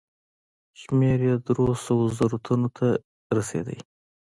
شمېر یې دریو سوو زرو تنو ته رسېدی.